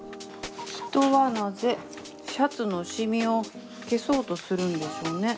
人はなぜシャツのシミを消そうとするんでしょうね。